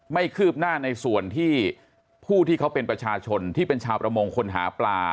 คืบหน้าในส่วนที่ผู้ที่เขาเป็นประชาชนที่เป็นชาวประมงคนหาปลา